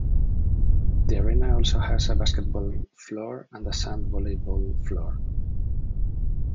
The arena also has a basketball floor and a sand volleyball floor.